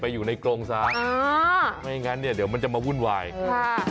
อยู่ในกรงซะอ่าไม่งั้นเนี้ยเดี๋ยวมันจะมาวุ่นวายค่ะ